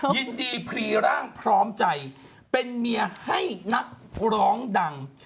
ยินดีพรีร่างพร้อมใจเป็นเมียให้นักร้องดัง